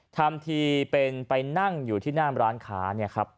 ทำทีเป็นไปนั่งอยู่ที่หน้าร้านค้าเนี่ยครับ